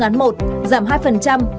giảm hai thuế giá trị gia tăng